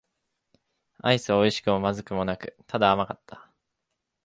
アイスは美味しくも不味くもなく、ただ甘かった。